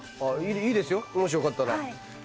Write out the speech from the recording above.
いいですよもしよかったら。